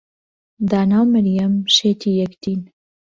دانا و مەریەم شێتی یەکدین.